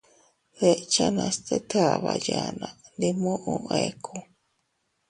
Deʼechanas tet aʼaba yanna, ndi muʼu iynuu.